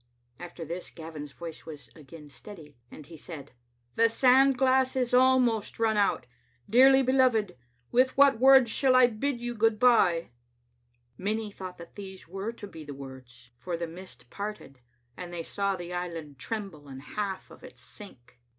*" After this Gavin's voice was again steady, and he said, "The sand glass is almost run out. Dearly be loved, with what words shall I bid you good by?" Many thought that these were to be the words, for the mist parted, and they saw the island tremble and half of it sink.